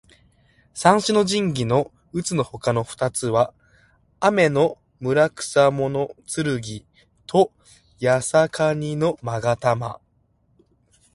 三種の神器のうつのほかの二つは天叢雲剣と八尺瓊勾玉。